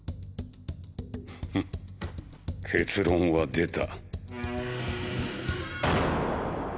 ふっ結論は出た。